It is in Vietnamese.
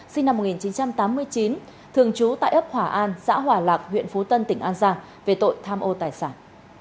sinh năm một nghìn chín trăm tám mươi chín thường trú tại ấp hòa an xã hòa lạc huyện phú tân tỉnh an giang về tội tham ô tài sản